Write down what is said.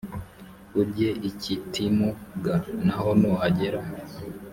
ujye i kitimu g na ho nuhagera